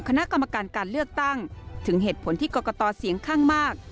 คณะกรรมการการเลือกตั้งถึงเหตุผลที่กรกตเสียงข้างมาก